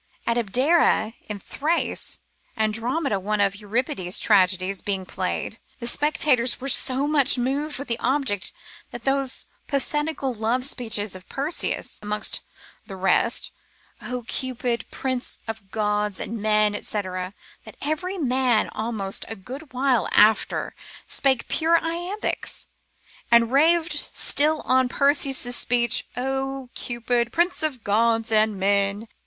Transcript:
At Abdera in Thrace (Andromeda one of Euripides' tragedies being played) the spectators were so much moved with the object, and those pathetical love speeches of Perseus, amongst the rest, O Cupid, Prince of Gods and men, &c. that every man almost a good while after spake pure iambics, and raved still on Perseus' speech, O Cupid, Prince of Gods and men.